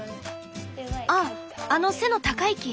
あっあの背の高い木？